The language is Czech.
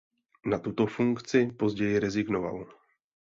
Na tuto funkci později rezignoval.